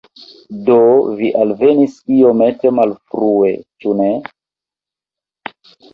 Do, vi alvenis iomete malfrue, ĉu ne?